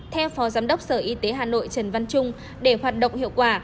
theo phó giám đốc sở y tế hà nội trần văn trung để hoạt động hiệu quả